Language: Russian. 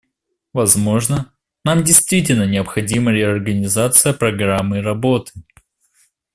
Возможно, нам действительно необходима реорганизация программы работы.